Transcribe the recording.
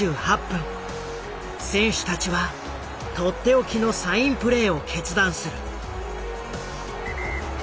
選手たちは取って置きのサインプレーを決断する。